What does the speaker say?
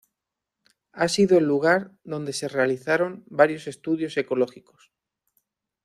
Ha sido el lugar donde se realizaron varios estudios ecológicos.